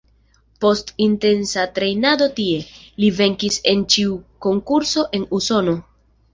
Post intensa trejnado tie, li venkis en ĉiu konkurso en Usono.